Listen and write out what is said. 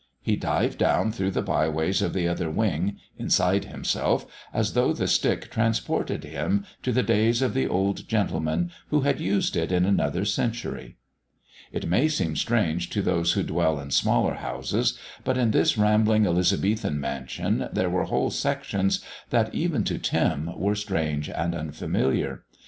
He dived down through the byways of the Other Wing, inside himself, as though the stick transported him to the days of the old gentleman who had used it in another century. It may seem strange to those who dwell in smaller houses, but in this rambling Elizabethan mansion there were whole sections that, even to Tim, were strange and unfamiliar.